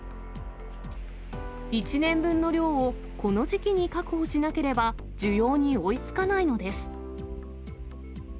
１年分の量をこの時期に確保しなければ、需要に追いつかないのです。